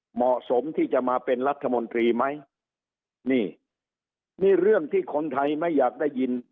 เหมาะสมที่จะมาเป็นรัฐมนตรีไหมนี่นี่เรื่องที่คนไทยไม่อยากได้ยิน